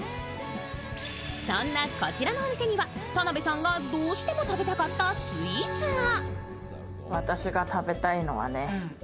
そんなこちらのお店には田辺さんがどうしても食べたかったスイーツが。